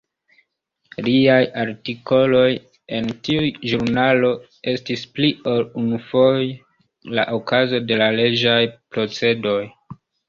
Liaj artikoloj en tiu ĵurnalo estis pli ol unufoje la okazo de leĝaj procedoj.